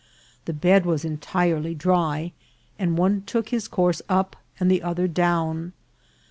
The bed was entirely dry, and one took his course up and the other down.